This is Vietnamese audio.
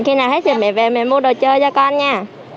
khi nào hết trời mẹ về mẹ mua đồ chơi cho con nha